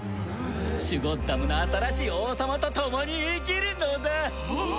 シュゴッダムの新しい王様と共に生きるのだ！